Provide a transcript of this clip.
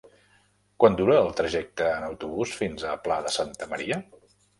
Quant dura el trajecte en autobús fins al Pla de Santa Maria?